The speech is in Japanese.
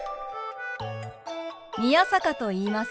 宮坂と言います。